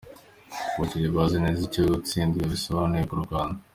Abakinnyi bazi neza icyo gutsinda bisobanuye ku Rwanda.